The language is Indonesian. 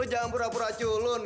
jangan berpura pura culun